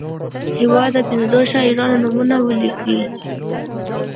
د هیواد د پنځو شاعرانو نومونه ولیکي.